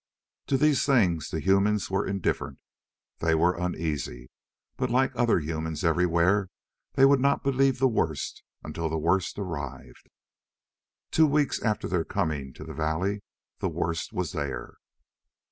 To these things the humans were indifferent. They were uneasy, but like other humans everywhere they would not believe the worst until the worst arrived. Two weeks after their coming to the valley, the worst was there.